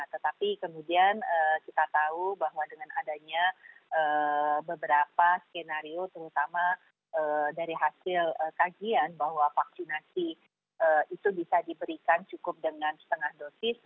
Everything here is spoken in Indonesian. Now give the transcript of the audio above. tetapi kemudian kita tahu bahwa dengan adanya beberapa skenario terutama dari hasil kajian bahwa vaksinasi itu bisa diberikan cukup dengan setengah dosis